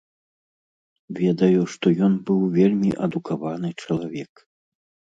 Ведаю, што ён быў вельмі адукаваны чалавек.